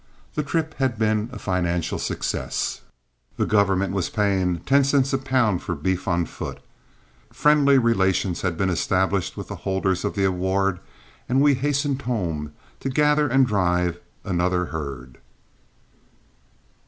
The trip had been a financial success (the government was paying ten cents a pound for beef on foot), friendly relations had been established with the holders of the award, and we hastened home to gather and drive another herd.